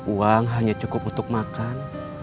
uang hanya cukup untuk makan